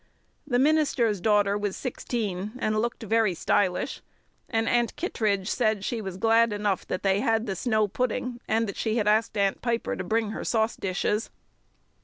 The minister's daughter was sixteen, and looked very stylish, and Aunt Kittredge said she was glad enough that they had the snow pudding, and that she had asked Aunt Piper to bring her sauce dishes.